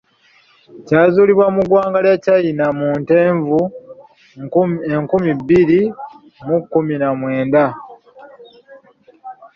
Kyazuulibwa mu ggwanga lya Kyayina mu Ntenvu, enkumi bbiri mu kkumi na mwenda.